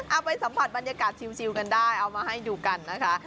เอาไปสัมผัสบรรยากาศชิวกันได้เอามาให้ดูกันนะคะ